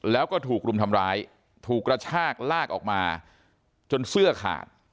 แล้วก็ถูกรุมทำร้ายถูกกระชากลากออกมาจนเสื้อขาด